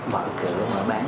mở cửa mở bán